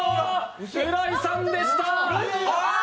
浦井さんでした！